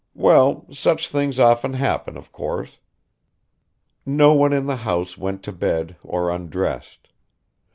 Well, such things often happen, of course." No one in the house went to bed or undressed.